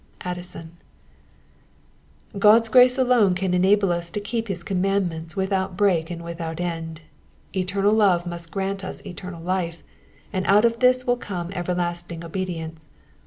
— Addison, God's grace alone can enable us to keep his commandments without break and without end ; eternal love must grant us eternal life, and out of this will come everlasting obedience.